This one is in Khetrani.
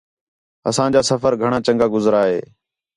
اساں جا سفر گھݨاں چَنڳا گُزریا ہے